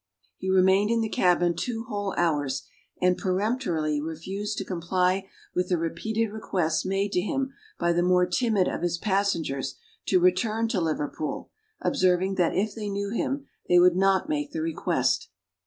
He remained in the cabin two whole hours, and peremptorily refused to comply with the repeated requests made to him by the more timid of his passengers to return to Liverpool; observing that if they knew him, they would not make the request.